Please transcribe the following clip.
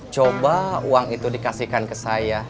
coba uang itu dikasihkan ke saya